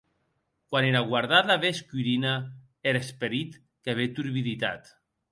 Quan era guardada ve escurina, er esperit que ve turbiditat.